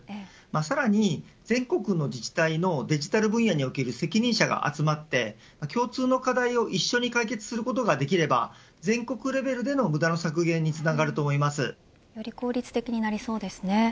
さらに全国の自治体のデジタル分野における責任者が集まって共通の課題を一緒に解決することができれば全国レベルでの無駄の削減により効率的なりそうですね。